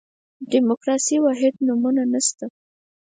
دیموکراسي واحده نمونه نه شته.